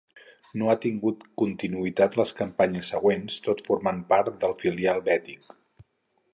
No ha tingut continuïtat les campanyes següents, tot formant part del filial bètic.